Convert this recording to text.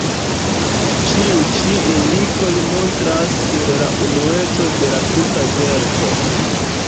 Ĉiu ĉi indikoj montras sur la unueco de la tuta verko.